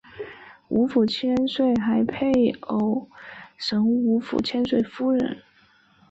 吴府千岁还有配偶神吴府千岁夫人。